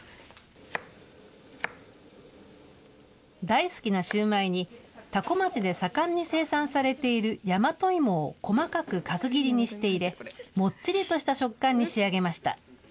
大好きなシューマイに、多古町で盛んに生産されているやまといもを細かく角切りにして入れ、もっちりとした食感に仕上げました。